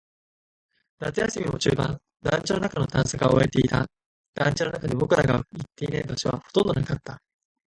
夏休みも中盤。団地の中の探索は終えていた。団地の中で僕らが行っていない場所はほとんどなかった。